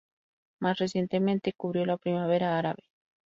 Más recientemente, cubrió la Primavera Árabe.